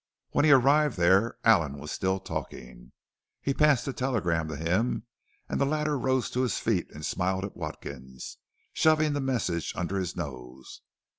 When he arrived there Allen was still talking. He passed the telegram to him and the latter rose to his feet and smiled at Watkins, shoving the message under his nose.